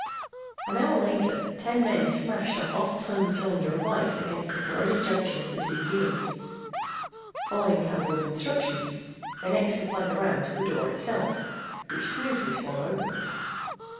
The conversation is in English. An hour later ten men smashed a half ton cylinder of ice against the corroded junction of the two gears. Following Candle's instructions, they next applied the ram to the door itself, which smoothly swung open.